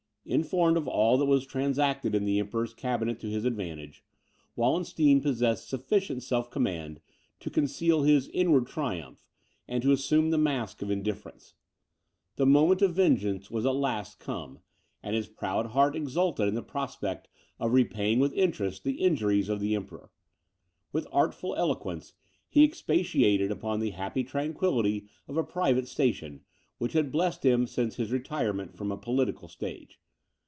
Informed of all that was transacted in the Emperor's cabinet to his advantage, Wallenstein possessed sufficient self command to conceal his inward triumph and to assume the mask of indifference. The moment of vengeance was at last come, and his proud heart exulted in the prospect of repaying with interest the injuries of the Emperor. With artful eloquence, he expatiated upon the happy tranquillity of a private station, which had blessed him since his retirement from a political stage.